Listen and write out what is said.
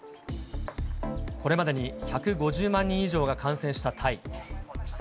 これまでに１５０万人以上が感染したタイ。